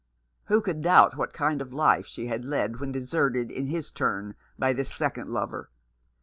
Who could doubt what kind of life she had led when deserted in his turn by this second lover